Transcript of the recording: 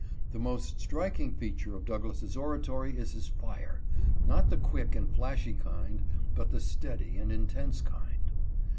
The most strik ing feature of Douglass' oratory is his fire, not the quick and flashy kind, but the steady and intense kind.